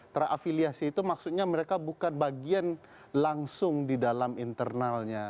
terafiliasi itu maksudnya mereka bukan bagian langsung di dalam internalnya